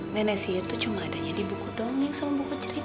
nenek siri itu cuma adanya di buku dong yang sama buku cerita